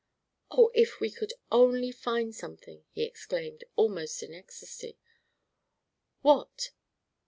"Oh, if we could only find something!" he exclaimed, almost in ecstasy. "What?"